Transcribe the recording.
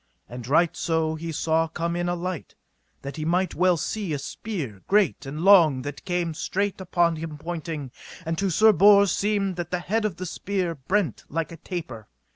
And right so he saw come in a light, that he might well see a spear great and long that came straight upon him pointling, and to Sir Bors seemed that the head of the spear brent like a taper.